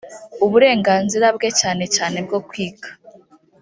uburenganzira bwe cyane cyane bwo kwiga